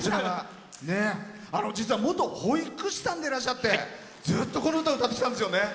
実は、元保育士さんでいらっしゃってずっとこの歌を歌ってきたんですよね。